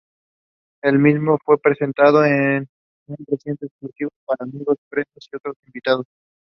Washington nominated John Jay to be the first Chief Justice of the Supreme Court.